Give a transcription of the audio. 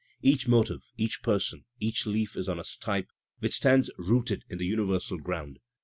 Each motive, each person, each leaf is on a stipe which stands rooted in the universal ground.